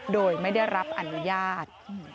โดยไม่ได้รับอนุญาต